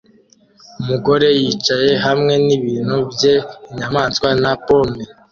Umugore yicaye hamwe nibintu bye inyamanswa na pome